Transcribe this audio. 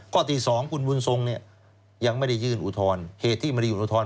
ก็ที่สองคุณบุญทรงยังไม่ได้ยื่นอุทธรณ์เหตุที่ไม่ได้ยื่นอุทธรณ์